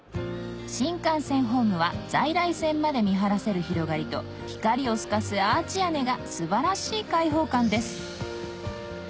新幹線ホームは在来線まで見晴らせる広がりと光を透かすアーチ屋根が素晴らしい開放感です